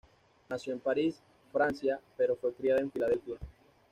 Nació en París, Francia, pero fue criada en Filadelfia.